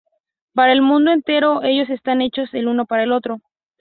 Para el mundo entero, ellos están hechos el uno para el otro.